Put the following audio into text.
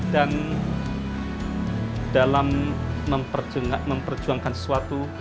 dan dalam memperjuangkan sesuatu